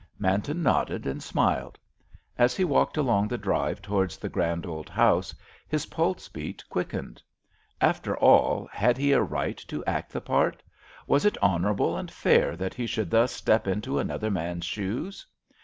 Manton nodded and smiled. As he walked along the drive towards the grand old house, his pulse beat quickened. After all, had he a right to act the part; was it honourable and fair that he should thus step into another man's shoes?